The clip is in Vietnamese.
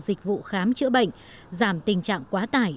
dịch vụ khám chữa bệnh giảm tình trạng quá tải